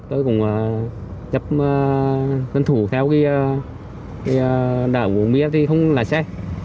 tôi cũng chấp tuân thủ theo đảo của mía thì không lái xe